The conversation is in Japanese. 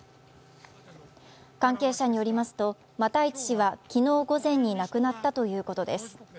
関係者によりますと、又市氏は昨日午前に亡くなったということです。